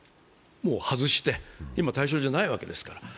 外して、今対象じゃないですから。